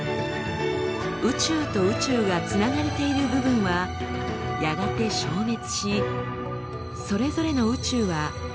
宇宙と宇宙がつながれている部分はやがて消滅しそれぞれの宇宙は離れ離れになります。